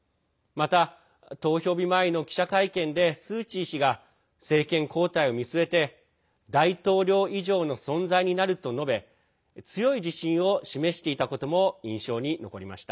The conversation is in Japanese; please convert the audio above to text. また、投票日前の記者会見でスー・チー氏が政権交代を見据えて大統領以上の存在になると述べ強い自信を示していたことも印象に残りました。